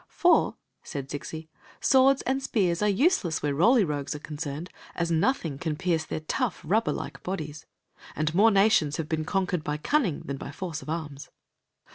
" For," said Zixi, " swords and spears are useless where the Roly Rogues are concerned, as nothing can pierce their tough, rubber like bodies. And more nations have been conquered by cunning than by force of arms."